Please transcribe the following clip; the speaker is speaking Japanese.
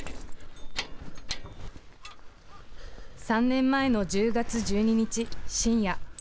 ３年前の１０月１２日、深夜。